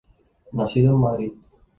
Nacido en Madrid.